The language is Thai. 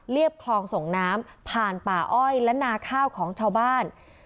คลองส่งน้ำผ่านป่าอ้อยและนาข้าวของชาวบ้าน